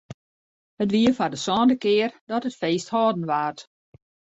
It wie foar de sânde kear dat it feest hâlden waard.